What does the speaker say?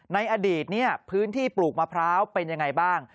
ในอดีตพื้นที่ปลูกมะพร้าวเป็นยังไงบ้าง